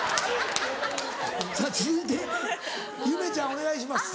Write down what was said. お願いします。